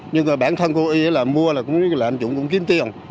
nhưng mà bản thân cô y là mua là cũng làm dụng cũng chín tiền